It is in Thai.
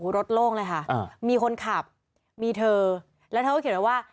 รถโล่งเลยค่ะมีคนขับมีเธอแล้วเธอก็เขียนไว้ว่า